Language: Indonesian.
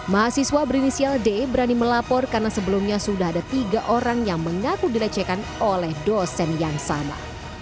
mahasiswa berinisial d berani melapor karena sebelumnya sudah ada tiga orang yang mengaku dilecehkan oleh dosen yang sama